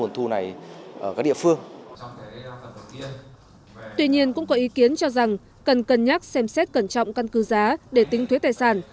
tuy nhiên cũng có ý kiến cho rằng cần cân nhắc xem xét cẩn trọng căn cứ giá để tính thuế tài sản